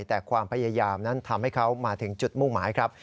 แต่ความพยายามนั้นทำให้เขามาถึงจุดมุ่งหมายครับ